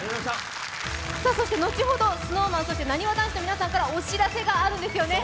そして後ほどＳｎｏｗＭａｎそしてなにわ男子の皆さんからお知らせがあるんですよね。